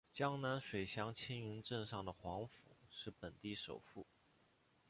江南水乡青云镇上的黄府是本地首富。